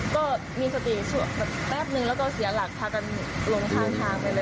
ก็มีสติแบบแป๊บนึงแล้วก็เสียหลักพากันลงข้างทางไปเลย